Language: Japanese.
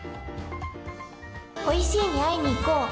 おいしいに会いに行こう！